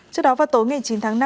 trước đó vào tối ngày chín tháng năm